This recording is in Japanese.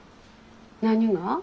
何が？